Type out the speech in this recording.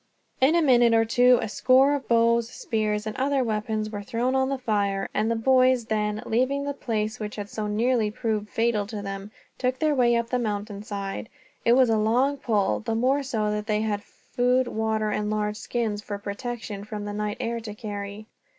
In a minute or two a score of bows, spears, and others weapons were thrown on the fire; and the boys then, leaving the place which had so nearly proved fatal to them, took their way up the mountain side. It was a long pull, the more so that they had the food, water, and large skins for protection from the night air to carry.